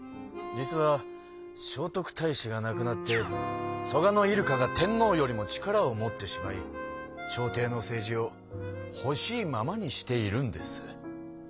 実は聖徳太子が亡くなって蘇我入鹿が天皇よりも力を持ってしまい朝廷の政治をほしいままにしているんです。